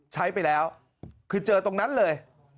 ใช้ไปแล้วคือเจอตรงนั้นเลย